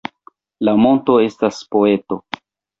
La monto estas poeto